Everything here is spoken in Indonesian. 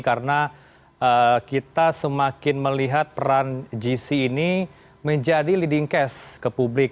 karena kita semakin melihat peran gc ini menjadi leading case ke publik